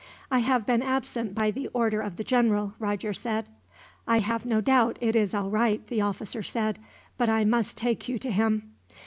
"I have been absent by the order of the general," Roger said. "I have no doubt it is all right," the officer replied, "but I must take you to him."